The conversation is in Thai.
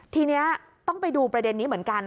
ทีนี้ต้องไปดูประเด็นนี้เหมือนกัน